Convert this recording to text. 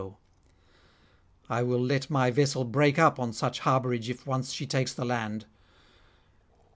I will let my vessel break up on such harbourage if once she takes the land.'